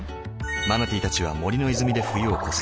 マナティーたちは森の泉で冬を越すの。